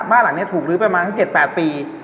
บ้านหลังนี้ถูกลื้อไปมา๗๘ปี